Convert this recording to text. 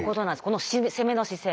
この攻めの姿勢。